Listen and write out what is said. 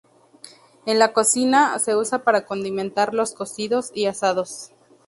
En la cocina, se usa para condimentar los cocidos y asados.